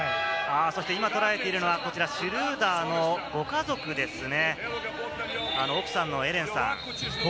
今捉えているのはシュルーダーのご家族ですね。